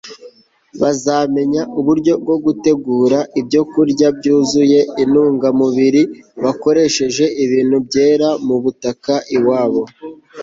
bazamenya uburyo bwo gutegura ibyokurya byuzuye intungamubiri bakoresheje ibintu byera mu butaka iwabo